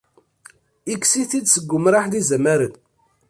Ikkes-it-id seg umraḥ n yizamaren.